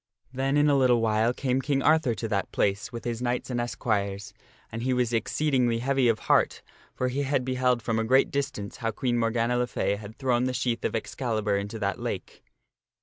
Then in a little while came King Arthur to that place with his knights and esquires, and he was exceedingly heavy of heart, for he had beheld from a great distance how Queen Morgana le Fay had thrown the sheath of Excalibur into that lake.